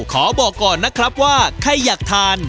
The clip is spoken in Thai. ขอบอกก่อนนะครับว่าใครอยากทาน